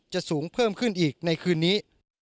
สูงเพิ่มขึ้นอีกในคืนนี้